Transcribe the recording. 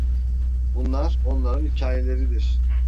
Bunlar, onların hikâyeleridir.